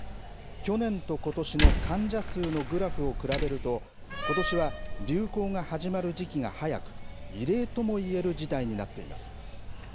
去年とことしの患者数のグラフを比べると、ことしは流行が始まる時期が早く、異例ともいえる事態になっています。